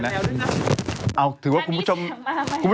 จากธนาคารกรุงเทพฯ